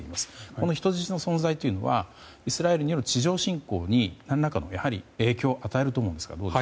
この人質の存在はイスラエルの地上侵攻に何らかの影響を与えると思いますか。